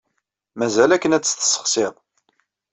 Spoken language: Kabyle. Mazal akken ad tt-tesseɣsid.